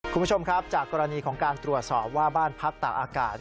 คุณผู้ชมครับจากกรณีของการตรวจสอบว่าบ้านพักตากอากาศ